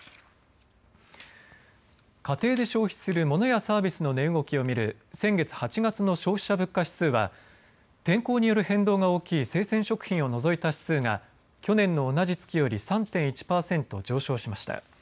家庭で消費するモノやサービスの値動きを見る先月８月の消費者物価指数は天候による変動が大きい生鮮食品を除いた指数が去年の同じ月より３．１％上昇しました。